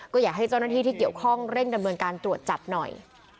ก็อยากให้เจ้าหน้าที่ที่เกี่ยวข้องเร่งดำเนินการตรวจจับหน่อย